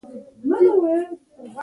پلاستیکي قلم ارزانه دی.